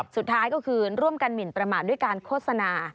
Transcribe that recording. สุดท้ายก็คือร่วมกันหมินประมาทด้วยการโฆษณา